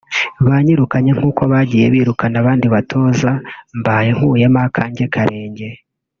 banyirukane nk’uko bagiye birukana abandi batoza mbaye nkuyemo akanjye karenge